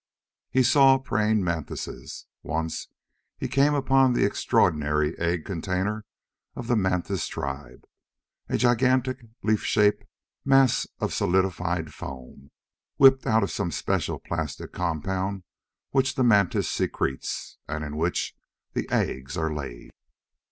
He saw praying mantises. Once he came upon that extraordinary egg container of the mantis tribe: a gigantic leaf shaped mass of solidified foam, whipped out of some special plastic compound which the mantis secretes, and in which the eggs are laid.